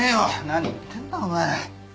何言ってんだお前。